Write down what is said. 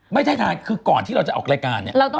ไม่ใช่ทายคือก่อนที่เราจะออกรายการ